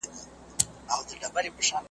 څو ورځي کېږي .